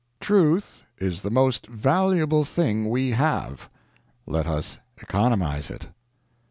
Truth is the most valuable thing we have. Let us economize it.